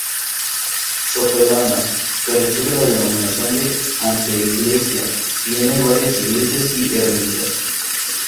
Sopelana, que recibe la denominación de anteiglesia, tiene varias iglesias y ermitas.